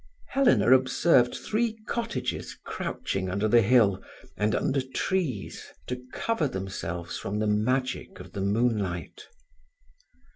Helena observed three cottages crouching under the hill and under trees to cover themselves from the magic of the moonlight.